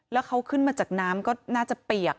แล้วเขาขึ้นมาจากน้ำก็น่าจะเปียก